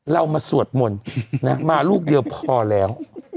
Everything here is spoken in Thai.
เรามาสวดมนต์นะมาลูกเดียวพอแล้ว